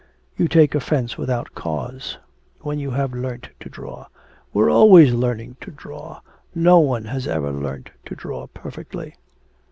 'You take offence without cause. When you have learnt to draw! We're always learning to draw. No one has ever learnt to draw perfectly.'